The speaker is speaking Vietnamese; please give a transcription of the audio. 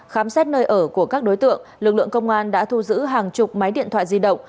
khám xét nơi ở của các đối tượng lực lượng công an đã thu giữ hàng chục máy điện thoại di động